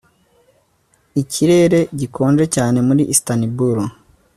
Ikirere gikonje cyane muri Istanbul